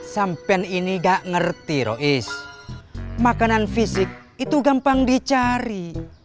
sampean ini gak ngerti rois makanan fisik itu gampang dicari